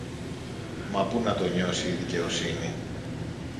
Μα πού να το νιώσει η δικαιοσύνη!